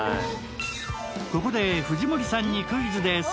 ここで藤森さんにクイズです。